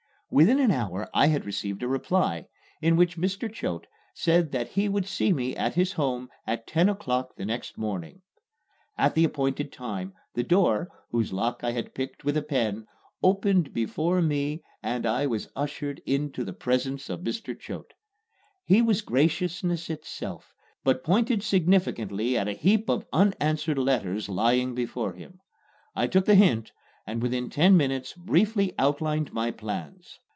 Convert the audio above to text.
Within an hour I had received a reply, in which Mr. Choate said that he would see me at his home at ten o'clock the next morning. At the appointed time, the door, whose lock I had picked with a pen, opened before me and I was ushered into the presence of Mr. Choate. He was graciousness itself but pointed significantly at a heap of unanswered letters lying before him. I took the hint and within ten minutes briefly outlined my plans.